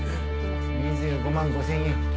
２５万５０００円。